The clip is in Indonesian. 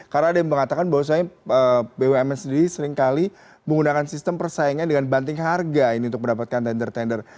karena ada yang mengatakan bahwa bumn sendiri seringkali menggunakan sistem persaingan dengan banting harga ini untuk mendapatkan tender tender